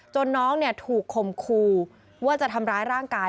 น้องถูกคมคูว่าจะทำร้ายร่างกาย